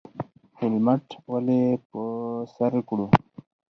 هیلمټ ولې په سر کړو؟